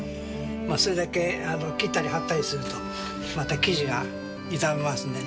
それだけ切ったり張ったりするとまた生地が傷みますんでね。